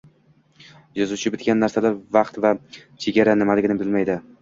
Yozuvchi bitgan narsalar vaqt va chegara nimaligini bilmaydi: